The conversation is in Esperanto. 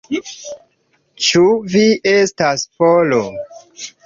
Ĉu vi estas Polo?